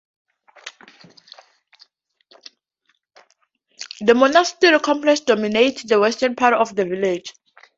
The monastery complex dominates the western part of the village.